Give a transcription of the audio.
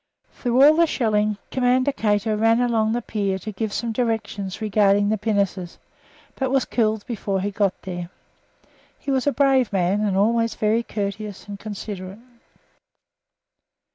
Through all the shelling Commander Cater ran along the pier to give some direction regarding the pinnaces, but was killed before he got there. He was a brave man, and always very courteous and considerate.